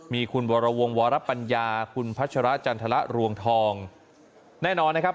มีคุณวรวงวรปัญญาคุณพัชระจันทรรวงทองแน่นอนนะครับ